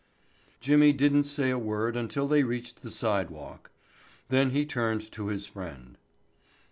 Jimmy didn't say a word until they reached the sidewalk. Then he turned to his friend.